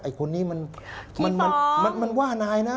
คนนี้มันว่านายนะ